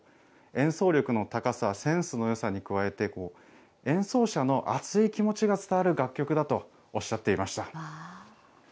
演奏力の高さ、センスのよさに加えて、演奏者の熱い気持ちが伝わる楽曲だとおっしゃっていました。